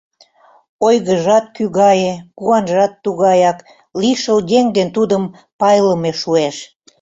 Ойгыжат кӱ гае, куанжат тугаяк — лишыл еҥ ден тудым пайлыме шуэш.